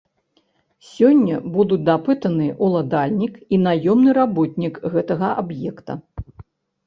Сёння будуць дапытаны ўладальнік і наёмны работнік гэтага аб'екта.